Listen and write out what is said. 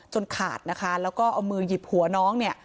ขาดนะคะแล้วก็เอามือหยิบหัวน้องเนี่ย